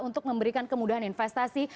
untuk memberikan kemudahan investasi